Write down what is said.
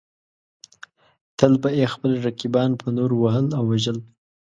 تل به یې خپل رقیبان په نورو وهل او وژل.